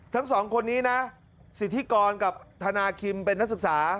ทั้งสองคนนี้นะสิทธิกรกับธนาคิมเป็นนักศึกษา